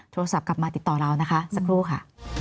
โทรศัพท์กลับมาติดต่อเรานะคะสักครู่ค่ะ